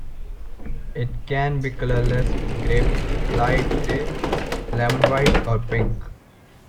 It can be colorless, gray, light gray, lemon white, or pink.